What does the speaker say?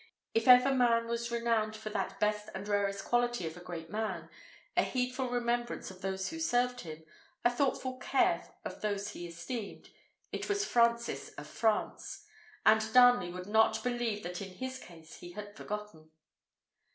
If ever man was renowned for that best and rarest quality of a great man, a heedful remembrance of those who served him, a thoughtful care of those he esteemed, it was Francis of France; and Darnley would not believe that in his case he had forgotten.